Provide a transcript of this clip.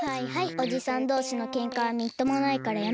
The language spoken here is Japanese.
おじさんどうしのけんかはみっともないからやめて。